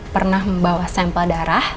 pernah membawa sampel darah